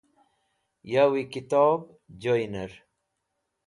Yawi Kitob Joyner